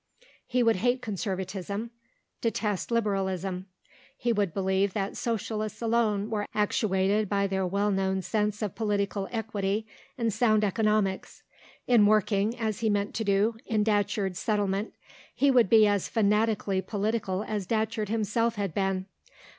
He would hate Conservatism, detest Liberalism; he would believe that Socialists alone were actuated by their well known sense of political equity and sound economics. In working, as he meant to do, in Datcherd's settlement, he would be as fanatically political as Datcherd himself had been.